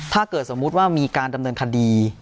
ถ้าเกิดสมมุติว่ามีการดำเนินคดี